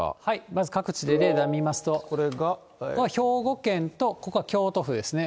まず各地でレーダー見ますと、兵庫県とここは京都府ですね。